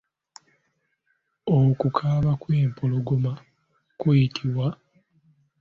Okukaaba kw'empologoma kuyitibwa?